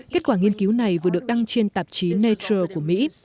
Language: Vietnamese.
kết quả nghiên cứu này vừa được đăng trên tạp chí nature của mỹ